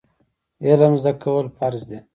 علم زده کول فرض دي